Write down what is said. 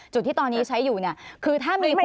จุดที่ตอนนี้ใช้อยู่เนี่ยคือถ้ามีคน